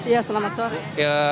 ya selamat sore